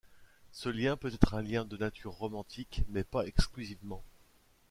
Ce lien peut être un lien de nature romantique mais pas exclusivement.